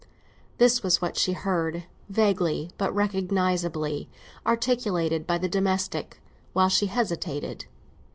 This was what she heard, vaguely but recognisably articulated by the domestic, while she hesitated.